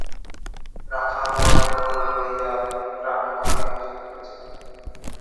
রাখালবালক গোরু লইয়া গ্রামে ফিরিয়া আসিতেছে।